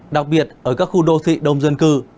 đặc biệt ở các khu đô thị đông dân cư